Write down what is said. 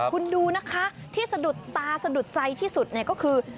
คุณดูนะคะที่สะดุดตาสะดุดใจที่สุดเนี่ยก็คือ